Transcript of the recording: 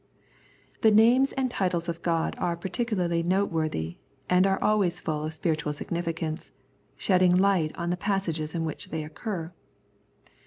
The names and titles of God are par ticularly noteworthy and are always full of spiritual significance, shedding light on the passages in which they occur.